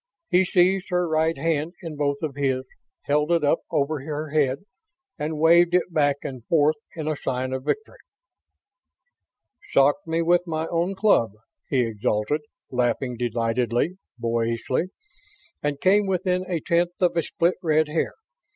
He seized her right hand in both of his, held it up over her head, and waved it back and forth in the sign of victory. "Socked me with my own club!" he exulted, laughing delightedly, boyishly. "And came within a tenth of a split red hair!